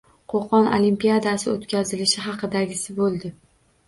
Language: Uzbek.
Qoʻqon olimpiadasi oʻtkazilishi haqidagisi boʻldi.